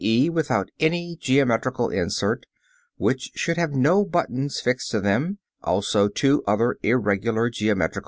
e._, without any geometrical inset, which should have no button fixed to them; also two other irregular geometrical figures.